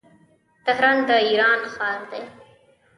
تهران د ايران ښار دی.